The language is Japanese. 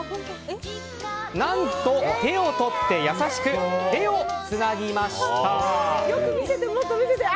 何と手を取って優しく手をつなぎました。